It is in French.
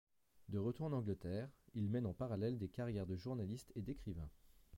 De retour en Angleterre, il mène en parallèle des carrières de journaliste et d'écrivain.